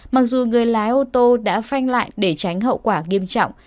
mặc dù người lái ô tô đã phanh lại để tránh hậu quả nghiêm trọng